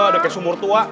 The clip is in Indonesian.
deket sumur tua